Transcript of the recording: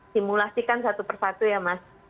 simulasikan satu persatu ya mas